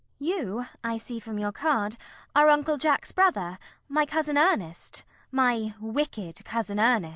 You, I see from your card, are Uncle Jack's brother, my cousin Ernest, my wicked cousin Ernest.